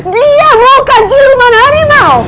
dia bukan si lemua narimau